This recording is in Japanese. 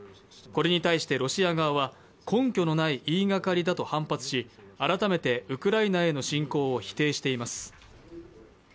これに対してロシア側は、根拠のない言いがかりだと反発し改めてウクライナへの侵攻を否定しています。